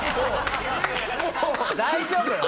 大丈夫？